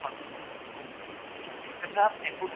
انارګل د نوي ژوند نښانونه لرل.